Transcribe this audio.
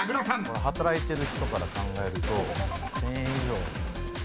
これ働いてる人から考えると１，０００円以上。